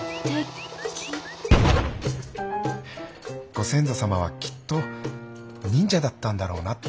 ご先祖様はきっと忍者だったんだろうなって。